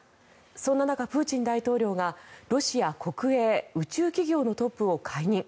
そんな中、プーチン大統領がロシア国営宇宙企業のトップを解任。